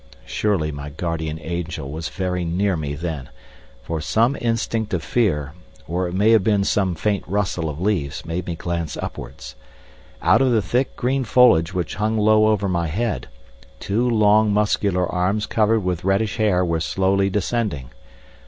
Surely my guardian angel was very near me then, for some instinct of fear, or it may have been some faint rustle of leaves, made me glance upwards. Out of the thick green foliage which hung low over my head, two long muscular arms covered with reddish hair were slowly descending.